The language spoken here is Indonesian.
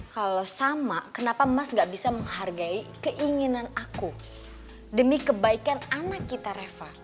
kalau sama kenapa mas gak bisa menghargai keinginan aku demi kebaikan anak kita reva